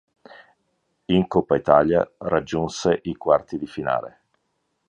In Coppa Italia raggiunse i quarti di finale.